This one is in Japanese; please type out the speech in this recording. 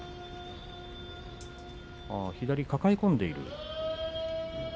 左を抱え込んでいます。